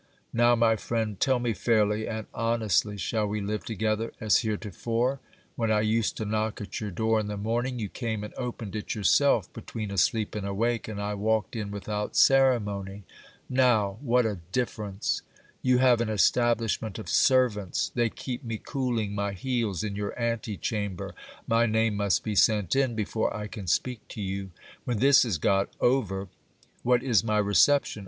Now, my friend, tell me fairly and honestly, shall we live together as heretofore ? When I used to knock at your door in the morning, you came and opened it yourself, between asleep and awake, and I walked in without ceremony. Now, what a difference ! SCIPI0S SCHEME OF MARRIAGE FOR GIL BIAS. 309 , You have an establishment of servants. They keep me cooling my heels in your ' ante chamber ; my name must be sent in before I can speak to you. When this is got over, what is my reception